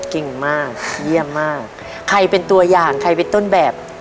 เก่งมากเยี่ยมมากใครเป็นตัวอย่างใครเป็นต้นแบบ